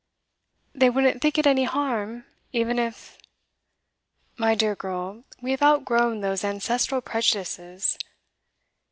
'They wouldn't think it any harm even if ?' 'My dear girl, we have outgrown those ancestral prejudices.